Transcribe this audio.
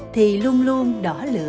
thì luôn luôn đỏ lửa